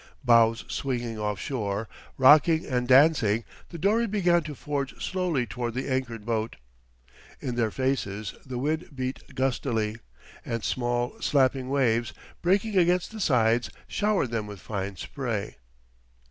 Bows swinging offshore, rocking and dancing, the dory began to forge slowly toward the anchored boat. In their faces the wind beat gustily, and small, slapping waves, breaking against the sides, showered them with fine spray....